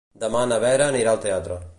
Demà na Vera anirà al teatre.